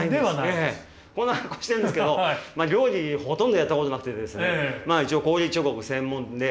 こんな格好してるんですけど料理ほとんどやったことなくてですね一応氷彫刻専門で。